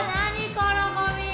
このゴミ！